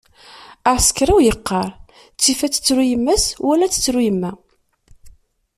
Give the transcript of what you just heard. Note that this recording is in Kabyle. Aεsekriw yeqqar: ttif ad tettru yemma-s wala ad tettru yemma.